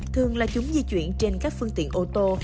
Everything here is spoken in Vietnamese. thường là chúng di chuyển trên các phương tiện ô tô